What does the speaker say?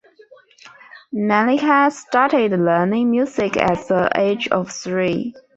Maliha started learning music at the age of three.